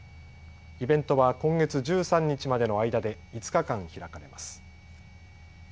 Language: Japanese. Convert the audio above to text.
イベントは今月１３日までの間で５日間、開かれます。